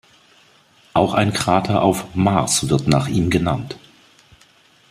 Auch ein Krater auf Mars wird nach ihm genannt.